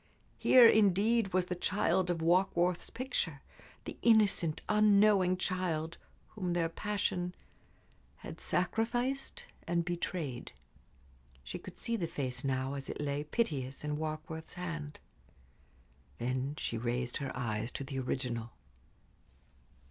Here, indeed, was the child of Warkworth's picture the innocent, unknowing child, whom their passion had sacrificed and betrayed. She could see the face now, as it lay piteous, in Warkworth's hand. Then she raised her eyes to the original.